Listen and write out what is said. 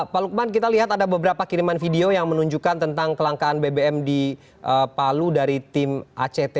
pak lukman kita lihat ada beberapa kiriman video yang menunjukkan tentang kelangkaan bbm di palu dari tim act